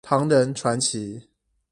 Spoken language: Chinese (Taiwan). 唐人傳奇